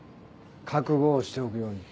覚悟をしておくように。